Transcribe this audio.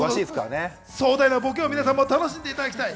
壮大なボケを皆さんも楽しんでいただきたい。